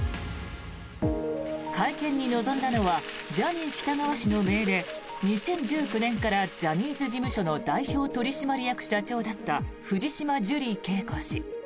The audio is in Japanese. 会見に臨んだのはジャニー喜多川氏のめいで２０１９年からジャニーズ事務所の代表取締役社長だった藤島ジュリー景子氏。